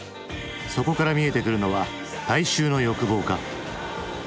そこから見えてくるのは大衆の欲望か。